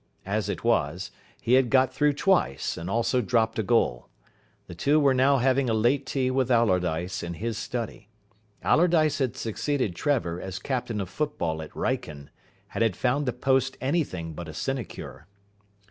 As it was, he had got through twice, and also dropped a goal. The two were now having a late tea with Allardyce in his study. Allardyce had succeeded Trevor as Captain of Football at Wrykyn, and had found the post anything but a sinecure.